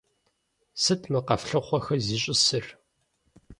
Сыт мы къэфлъыхъуэхэр зищӀысыр?